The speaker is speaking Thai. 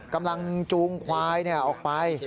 กำลังจูงควายออกไป